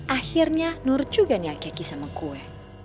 akhirnya nur juga nyakyaki sama gue